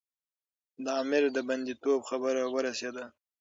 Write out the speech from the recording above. د امیر د بندي توب خبره ورسېده.